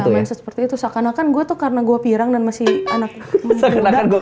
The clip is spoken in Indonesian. main seperti itu seakan akan gue tuh karena gue pirang dan masih anak muda